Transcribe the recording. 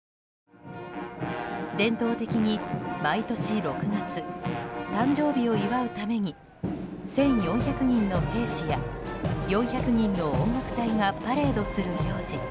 伝統的に毎年６月誕生日を祝うために１４００人の兵士や４００人の音楽隊がパレードする行事